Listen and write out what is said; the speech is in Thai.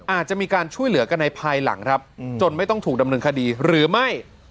อาจจะมีการช่วยเหลือกันในภายหลังครับจนไม่ต้องถูกดำเนินคดีหรือไม่